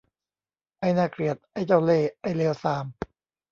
ไอ้น่าเกลียด ไอ้เจ้าเล่ห์ ไอ้เลวทราม !